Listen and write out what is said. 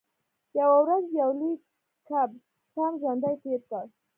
یوه ورځ یو لوی کب ټام ژوندی تیر کړ.